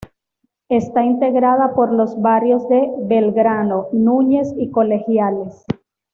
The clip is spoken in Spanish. Está integrada por los barrios de Belgrano, Núñez y Colegiales.